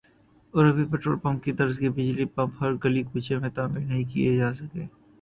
اور ابھی petrol pump کی طرز کے بجلی پمپ ہر گلی کوچے میں تعمیر نہیں کئے جاسکے